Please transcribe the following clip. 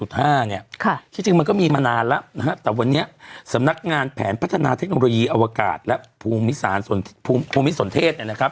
ที่จริงมันก็มีมานานแล้วนะฮะแต่วันนี้สำนักงานแผนพัฒนาเทคโนโลยีอวกาศและภูมิสารภูมิภูมิสนเทศเนี่ยนะครับ